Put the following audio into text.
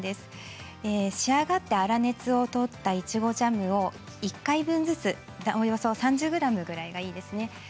仕上がって粗熱を取ったいちごジャムを１回分ずつおよそ３０ｇぐらいでいいですね。